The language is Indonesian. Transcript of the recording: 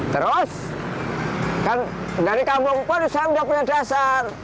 terus kan dari kampung saya sudah punya dasar